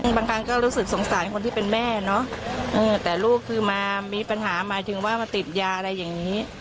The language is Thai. บางครั้งก็รู้สึกสงสารคนที่เป็นแม่เนอะแต่ลูกคือมามีปัญหาหมายถึงว่ามาติดยาอะไรอย่างนี้